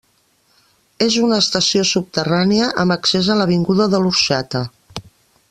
És una estació subterrània, amb accés a l'avinguda de l'Orxata.